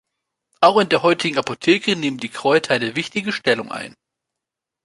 Auch in der heutigen Apotheke nehmen die Kräuter eine wichtige Stellung ein.